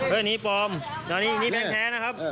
อันนี้ปลอมอันนี้แบงค์แท้นะครับ